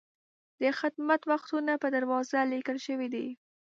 د خدمت وختونه په دروازه لیکل شوي دي.